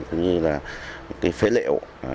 cũng như là phế liệu